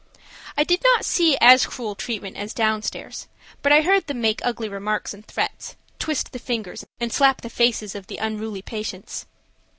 I did not see as cruel treatment as down stairs, but I heard them make ugly remarks and threats, twist the fingers and slap the faces of the unruly patients.